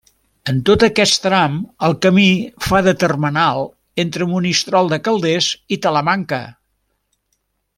En tot aquest tram el camí fa de termenal entre Monistrol de Calders i Talamanca.